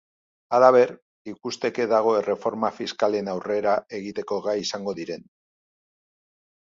Halaber, ikusteke dago erreforma fiskalean aurrera egiteko gai izango diren.